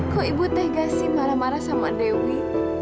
kok ibu tega sih marah marah sama dewi